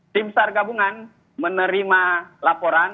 tim sargabungan menerima laporan